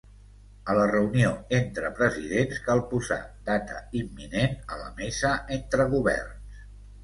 A la reunió entre presidents cal posar data imminent a la mesa entre governs.